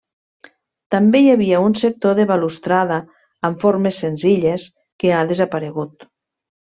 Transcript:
També hi havia un sector de balustrada, amb formes senzilles, que ha desaparegut.